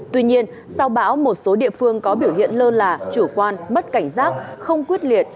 tuy nhiên sau bão một số địa phương có biểu hiện lơ là chủ quan mất cảnh giác không quyết liệt